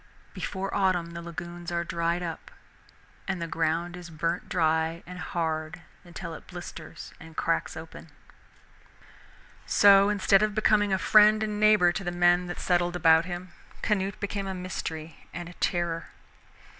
Before autumn the lagoons are dried up, and the ground is burnt dry and hard until it blisters and cracks open. So instead of becoming a friend and neighbor to the men that settled about him, Canute became a mystery and a terror.